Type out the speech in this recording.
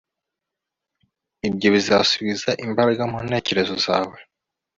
Ibyo bizasubiza imbaraga mu ntekerezo zawe